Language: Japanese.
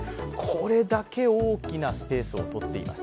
これだけ大きなスペースをとっています。